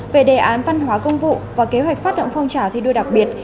về đề án văn hóa công vụ và kế hoạch phát động phong trào thi đua đặc biệt